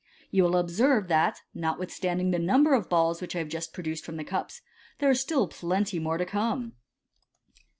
You will observe that, notwithstanding the number of balls which I have just produced from the cups, there are stil! MODERN MAGIC 289 plenty more to come."